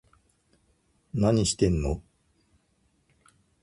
何してんの